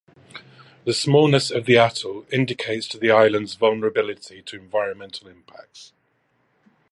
The smallness of the atoll indicates to the islands' vulnerability to environmental impacts.